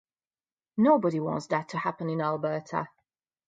Nobody wants that to happen in Alberta.